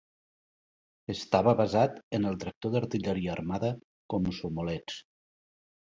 Estava basat en el tractor d'artilleria armada Komsomolets.